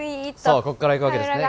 そうこっからいくわけですね